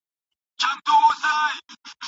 د خپلې مینې په غېږ کې ګوڼیږي: